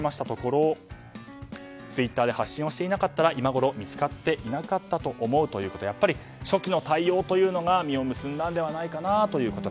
ところツイッターで発信をしていなかったら今ごろ見つかっていなかったと思うとやっぱり初期の対応というのが実を結んだのではないか